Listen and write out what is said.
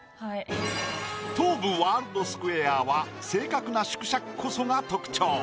東武ワールドスクウェアは正確な縮尺こそが特徴。